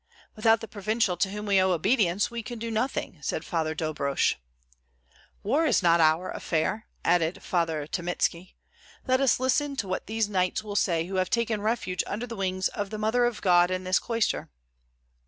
"Without the Provincial to whom we owe obedience, we can do nothing," said Father Dobrosh. "War is not our affair," added Father Tomitski; "let us listen to what these knights will say who have taken refuge under the wings of the Mother of God in this cloister."